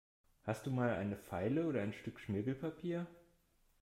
Hast du mal eine Feile oder ein Stück Schmirgelpapier?